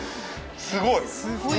すごい！